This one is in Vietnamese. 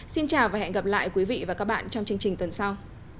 xin chào và hẹn gặp lại quý vị và các bạn trong chương trình tuần sau